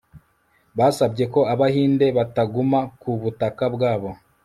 basabye ko abahinde bataguma ku butaka bwabo